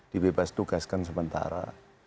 dibebas tugaskan sementara